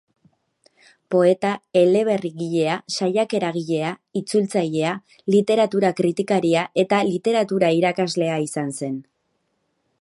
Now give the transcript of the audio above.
Poeta, eleberrigilea, saiakeragilea, itzultzailea, literatura-kritikaria eta literatura-irakaslea izan zen.